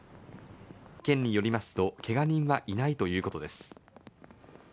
県によりますとけが人はいないということです